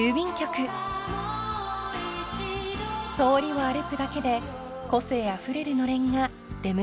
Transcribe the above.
［通りを歩くだけで個性あふれるのれんが出迎えてくれます］